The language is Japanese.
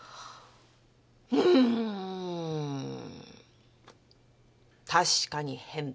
うーん確かに変だ。